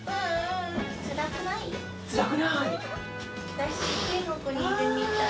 私天国にいるみたい。